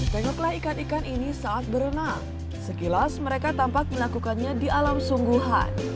tengoklah ikan ikan ini saat berenang sekilas mereka tampak melakukannya di alam sungguhan